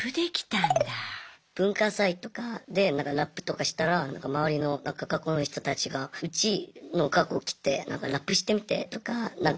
文化祭とかでラップとかしたら周りの学校の人たちがうちの学校来てラップしてみてとかなんか。